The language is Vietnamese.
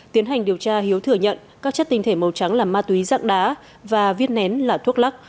tiến hành điều tra hiếu thừa nhận các chất tinh thể màu trắng là ma túy dạng đá và viên nén là thuốc lắc